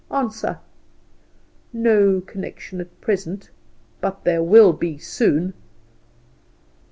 Answer: No connection at present, but there will be soon."